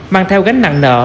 mang theo gánh nặng nợ